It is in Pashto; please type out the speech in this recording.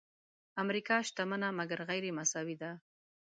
امریکا شتمنه مګر غیرمساوي ده.